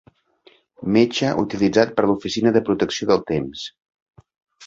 Mecha utilitzat per l'Oficina de Protecció del Temps.